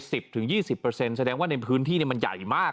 แสดงว่าในพื้นที่มันใหญ่มาก